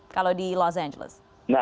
kalau di los angeles